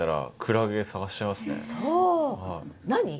何？